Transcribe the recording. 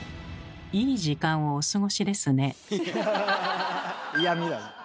いい時間をお過ごしですね。